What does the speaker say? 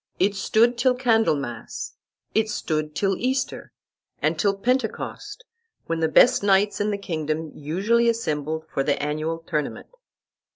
It stood till Candlemas; it stood till Easter, and till Pentecost, when the best knights in the kingdom usually assembled for the annual tournament.